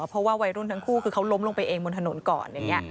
เพราะว่าวัยรุ่นทั้งคู่คือเขาล้มลงไปเองบนถนนก่อนอย่างนี้